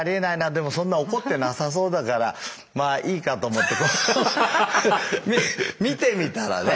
でもそんな怒ってなさそうだからまあいいか」と思って診てみたらね